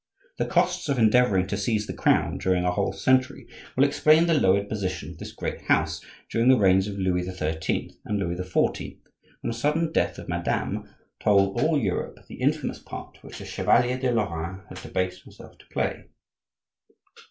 The costs of endeavoring to seize the crown during a whole century will explain the lowered position of this great house during the reigns of Louis XIII. and Louis XIV., when the sudden death of MADAME told all Europe the infamous part which a Chevalier de Lorraine had debased himself to play.